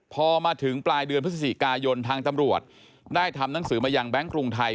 พอมาถึงปลายเดือนพฤศจิกายนทางตำรวจได้ทำหนังสือมายังแบงค์กรุงไทย